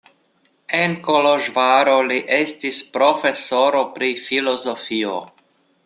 En Koloĵvaro li estis profesoro pri filozofio.